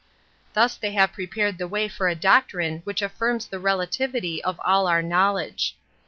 Thus they have prepared the way for a doctrine which aflfirms the relativity of all our knowledge.